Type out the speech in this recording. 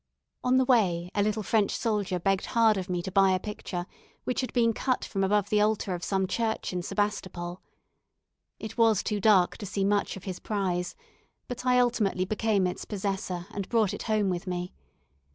On the way, a little French soldier begged hard of me to buy a picture, which had been cut from above the altar of some church in Sebastopol. It was too dark to see much of his prize, but I ultimately became its possessor, and brought it home with me.